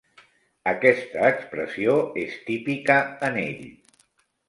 Aquesta expressió és típica en ell.